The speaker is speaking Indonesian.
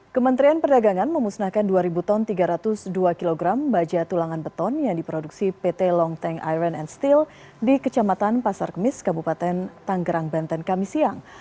kementerian perdagangan memusnahkan dua ton tiga ratus dua kg baja tulangan beton yang diproduksi pt long tank iron and steel di kecamatan pasar kemis kabupaten tanggerang banten kami siang